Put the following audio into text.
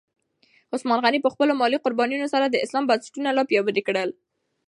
عثمان غني په خپلو مالي قربانیو سره د اسلام بنسټونه لا پیاوړي کړل.